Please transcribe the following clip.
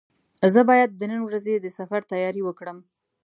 زه باید د نن ورځې د سفر تیاري وکړم.